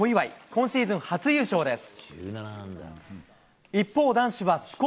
今シーズン初優勝です。